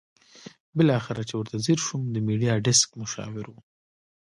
بالاخره چې ورته ځېر شوم د میډیا ډیسک مشاور وو.